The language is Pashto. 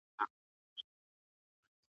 سالم ذهن وخت نه ځنډوي.